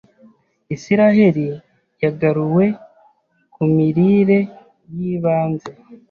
Isiraheli yagaruwe ku mirire y’ibanze